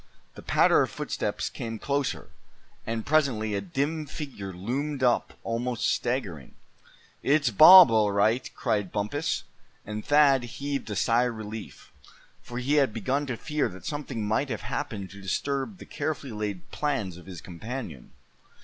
The patter of footsteps came closer, and presently a dim figure loomed up, almost staggering. "It's Bob, all right!" cried Bumpus; and Thad heaved a sigh of relief, for he had begun to fear that something might have happened to disturb the carefully laid plans of his companion.